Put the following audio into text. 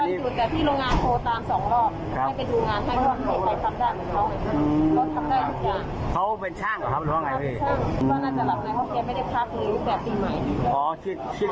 อืมเพราะว่าแกทำงานตลอดเลยใช่ไหมครับ